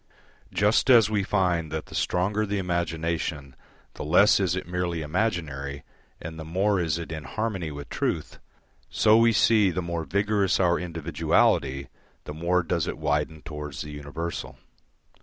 Just as we find that the stronger the imagination the less is it merely imaginary and the more is it in harmony with truth, so we see the more vigorous our individuality the more does it widen towards the universal.